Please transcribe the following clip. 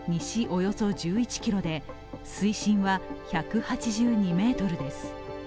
およそ１１ｋｍで水深は１８２ｍです。